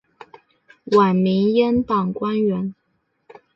晚明阉党官员。